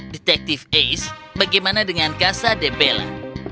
detektif ace bagaimana dengan kasa debela